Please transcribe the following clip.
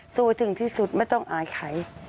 สู้ถึงที่สุดไม่ต้องอายใคร